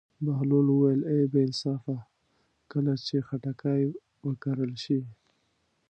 بهلول وویل: ای بې انصافه کله چې خټکی وکرل شي.